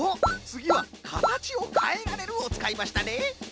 つぎは「かたちをかえらえる」をつかいましたね！